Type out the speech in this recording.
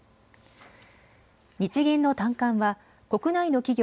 日銀の短観は国内の企業